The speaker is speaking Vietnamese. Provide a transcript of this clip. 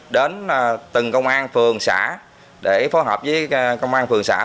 đến từng công an phường xã để phối hợp với công an phường xã